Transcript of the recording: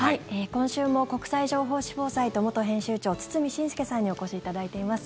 今週も国際情報誌「フォーサイト」元編集長堤伸輔さんにお越しいただいています。